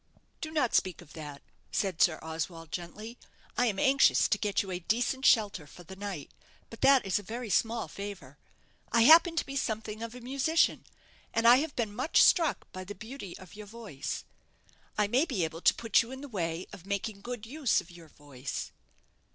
"Do not speak of that," said Sir Oswald, gently; "I am anxious to get you a decent shelter for the night, but that is a very small favour. I happen to be something of a musician, and I have been much struck by the beauty of your voice. I may be able to put you in the way of making good use of your voice."